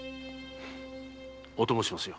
お供しますよ。